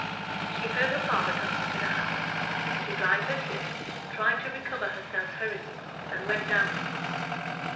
She heard her father coming into the house. She dried her tears, tried to recover herself hurriedly, and went down to him.